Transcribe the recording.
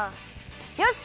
よし！